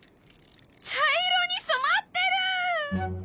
茶色にそまってる！